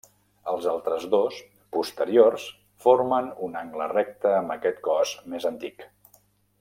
Els altres dos, posteriors, formen un angle recte amb aquest cos més antic.